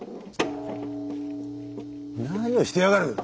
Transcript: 何をしてやがる！